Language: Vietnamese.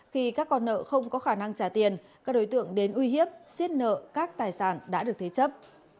khi các con nợ không có khả năng trả tiền các đối tượng đến uy hiếp xiết nợ các tài sản đã được thế chấp